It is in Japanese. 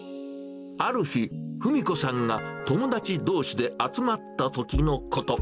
ある日、史子さんが友達どうしで集まったときのこと。